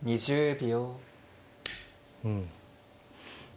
２０秒。